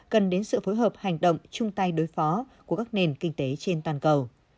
cần đến sự phối hợp hành động chung tay đối phó của các nền kinh tế trên toàn cầu